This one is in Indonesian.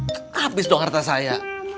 kehabis dong harta saya